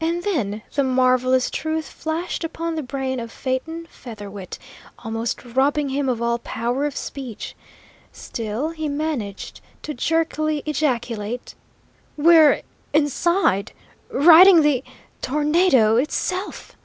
And then the marvellous truth flashed upon the brain of Phaeton Featherwit, almost robbing him of all power of speech. Still he managed to jerkily ejaculate: "We're inside, riding the tornado itself!"